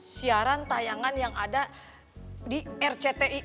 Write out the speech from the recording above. siaran tayangan yang ada di rcti